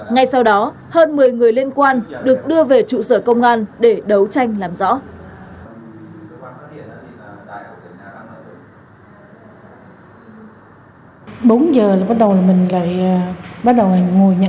ngay sau đó hơn một mươi người liên quan được đưa về trụ sở công an để đấu